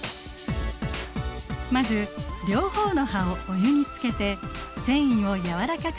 まず両方の葉をお湯につけて繊維を軟らかくします。